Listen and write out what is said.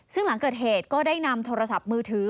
ซึ่งหลังเกิดเหตุก็ได้นำโทรศัพท์มือถือ